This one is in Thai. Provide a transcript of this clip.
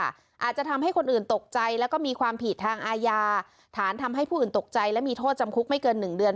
อาจจะทำให้คนอื่นตกใจแล้วก็มีความผิดทางอาญาฐานทำให้ผู้อื่นตกใจและมีโทษจำคุกไม่เกิน๑เดือน